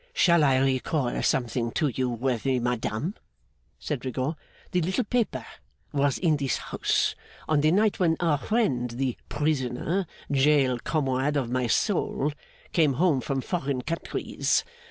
'Shall I recall something to you, worthy madame?' said Rigaud. 'The little paper was in this house on the night when our friend the prisoner jail comrade of my soul came home from foreign countries.